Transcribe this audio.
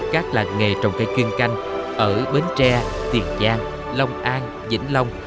các làng nghề trồng cây chuyên canh ở bến tre tiền giang long an vĩnh long